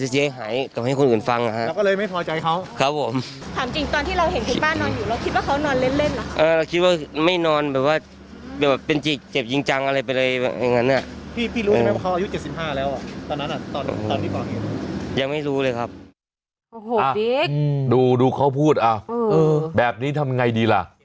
เออคิดว่าไม่นอนแบบว่า